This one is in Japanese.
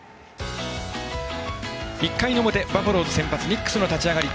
１回の表、バファローズ先発ニックスの立ち上がり。